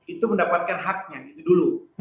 itu mendapatkan haknya itu dulu